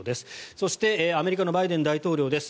そして、アメリカのバイデン大統領です。